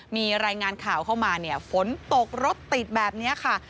มีรายงานข่าวเข้ามาเนี่ยฝนตกรถติดแบบนี้ค่ะ